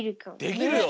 できるよ。